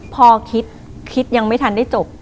พอคิดคิดยังไม่ทันได้จบ